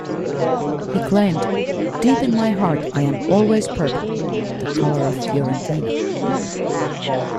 He claimed: "Deep in my heart I am always purple", the colour of Fiorentina.